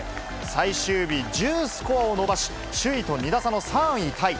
最終日、１０スコアを伸ばし、首位と２打差の３位タイ。